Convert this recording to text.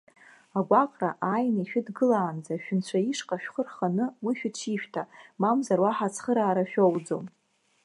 Агәаҟра ааины ишәыдгылаанӡа, шәынцәа ишҟа шәхы рханы, уи шәыҽишәҭа, мамзар уаҳа ацхыраара шәоуӡом.